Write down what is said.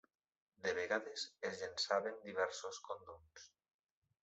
De vegades es llençaven diversos condons.